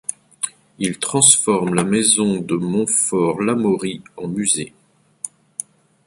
Il transforme la maison de Montfort-l'Amaury en musée.